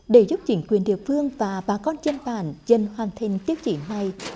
để giúp chính quyền địa phương và bà con trên bàn dân hoàn thiện tiêu chỉ này